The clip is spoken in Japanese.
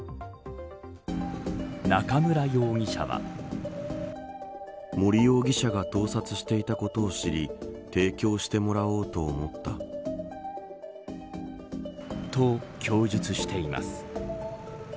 中村容疑者は。と供述しています。